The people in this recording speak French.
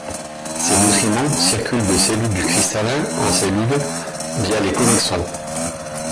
Ces nutriments circulent de cellules du cristallin en cellules via les connexons.